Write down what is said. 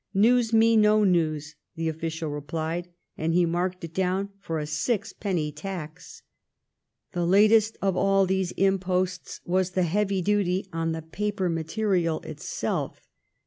" News me no news," the official replied, and he marked it down with a sixpenny tax. The latest of all these imposts was the heavy duty on the paper material itself.